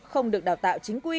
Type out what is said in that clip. không được đào tạo chính quy